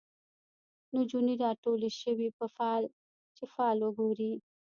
نجونې راټولي شوی چي فال وګوري